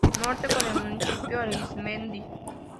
Norte: Con el Municipio Arismendi.